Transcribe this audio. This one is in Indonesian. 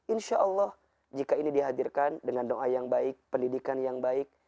insyaallah jika ini dihadirkan dengan doa yang baik